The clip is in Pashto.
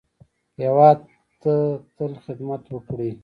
هېواد ته تل خدمت وکړئ